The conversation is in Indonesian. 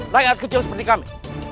rakyat kecil seperti kami